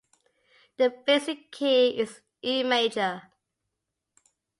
The basic key is E major.